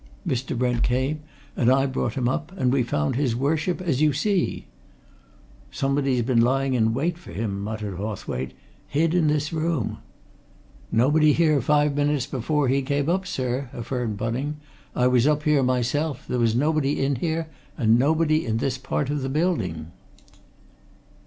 Mr. Brent came and I brought him up, and we found his Worship as you see." "Somebody's been lying in wait for him," muttered Hawthwaite. "Hid in this room!" "Nobody here five minutes before he came up, sir," affirmed Bunning. "I was up here myself. There was nobody in here, and nobody in this part of the building."